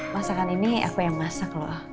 masakan ini aku yang masak loh